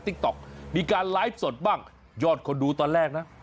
ติ๊กต๊อกมีการไลฟ์สดบ้างยอดคนดูตอนแรกนะ